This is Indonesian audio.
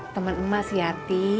temen emas siati